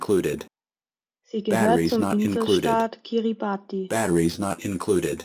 Sie gehört zum Inselstaat Kiribati.